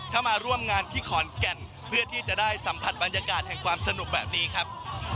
มาร่วมงานที่ขอนแก่นเพื่อที่จะได้สัมผัสบรรยากาศแห่งความสนุกแบบนี้ครับ